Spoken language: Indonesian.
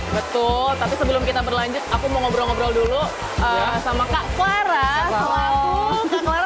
betul tapi sebelum kita berlanjut aku mau ngobrol ngobrol dulu sama kak farah